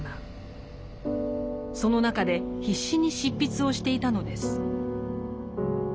その中で必死に執筆をしていたのです。